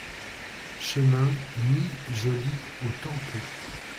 Chemin Nid Joli au Tampon